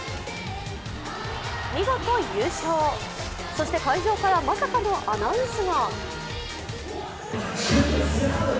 見事、優勝、そして会場からまさかのアナウンスが。